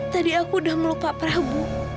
tadi aku udah melupa prabu